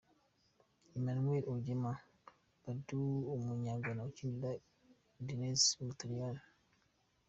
Emmanuel Agyemang , Badu , umunya Ghana ukinira Udinese mu Butaliyani.